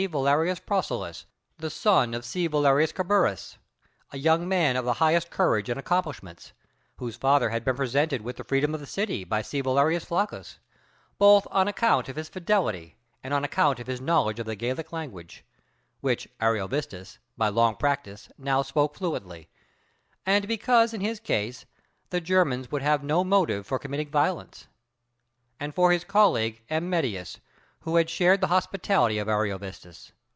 Valerius Procillus, the son of C. Valerius Caburus, a young man of the highest courage and accomplishments (whose father had been presented with the freedom of the city by C. Valerius Flaccus), both on account of his fidelity and on account of his knowledge of the Gallic language, which Ariovistus, by long practice, now spoke fluently, and because in his case the Germans would have no motive for committing violence; and for his colleague, M. Mettius, who had shared the hospitality of Ariovistus.